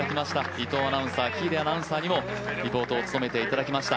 伊藤アナウンサー、喜入アナウンサーにもリポートを務めていただきました。